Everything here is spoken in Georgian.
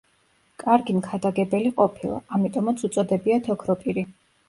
კარგი მქადაგებელი ყოფილა, ამიტომაც უწოდებიათ ოქროპირი.